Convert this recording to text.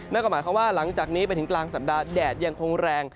นั่นก็หมายความว่าหลังจากนี้ไปถึงกลางสัปดาห์แดดยังคงแรง